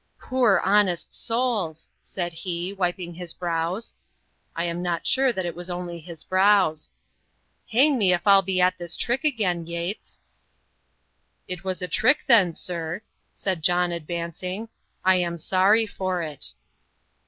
"Poor, honest souls!" said he, wiping his brows I am not sure that it was only his brows "Hang me if I'll be at this trick again, Yates." "It was a trick then, sir," said John, advancing. "I am sorry for it."